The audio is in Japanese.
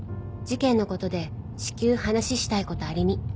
「事件のことで至急話したいことありみ！」